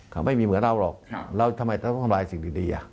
เขาไม่มีเหมือนเราหรอกเราทำไมต้องทำลายสิ่งดี